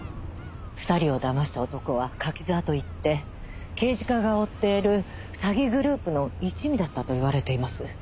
２人をだました男は柿沢といって刑事課が追っている詐欺グループの一味だったと言われています。